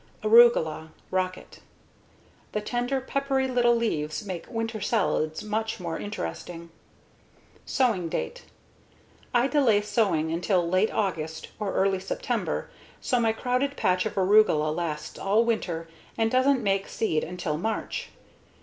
Arugula (Rocket) The tender, peppery little leaves make winter salads much more interesting. Sowing date: I delay sowing until late August or early September so my crowded patch of arugula lasts all winter and doesn't make seed until March.